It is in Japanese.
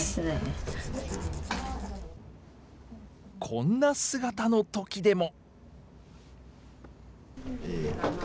こんな姿のときでも。